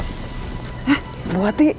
eh bu hati